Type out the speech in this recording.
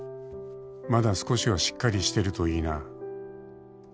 まだ少しはしっかりしてるといいな」